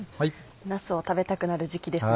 なすを食べたくなる時期ですね。